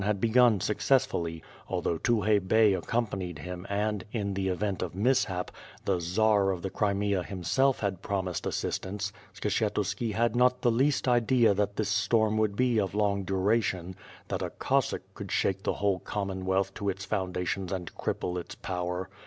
had begun successfully; although Tukhay Bey accompanied him and, in the event of mishap, the "Czar" of the Crimea himself had promised assistance, Skshetuski had not the least idea that this storm would be of long duration, that a Cossack could shake the whole C'ommonwealth to its foundations and cripple its power.